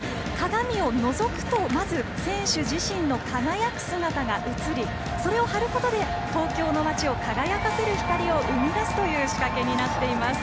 この鏡なんですが鏡をのぞくとまず選手自身の輝く姿が映りそれを貼ることで東京の街を輝かせる光を生み出すということです。